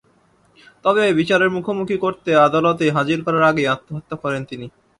তবে বিচারের মুখোমুখি করতে আদালতে হাজির করার আগেই আত্মহত্যা করেন তিনি।